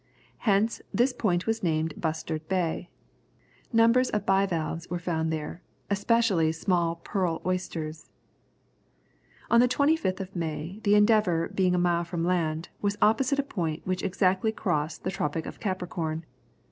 Hence, this point was named Bustard Bay. Numbers of bivalves were found there, especially small pearl oysters. On the 25th of May, the Endeavour being a mile from land, was opposite a point which exactly crossed the Tropic of Capricorn.